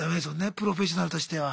プロフェッショナルとしては。